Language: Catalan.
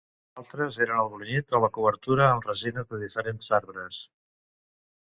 Altres eren el brunyit o la cobertura amb resines de diferents arbres.